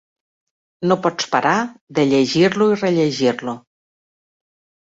No pots parar de llegir-lo i rellegir-lo